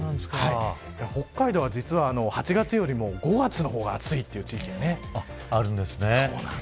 北海道は実は８月よりも５月の方が暑いという地域があるんです。